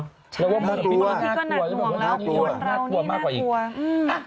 น่ากลัวน่ากลัวน่ากลัวน่ากลัวน่ากลัวน่ากลัวน่ากลัวน่ากลัว